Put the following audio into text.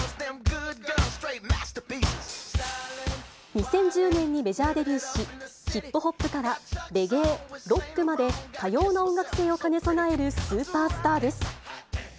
２０１０年にメジャーデビューし、ヒップホップからレゲエ、ロックまで、多様な音楽性を兼ね備えるスーパースターです。